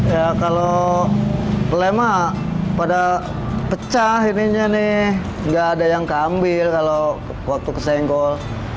ya kalau plema pada pecah ininya nih nggak ada yang keambil kalau waktu kesenggol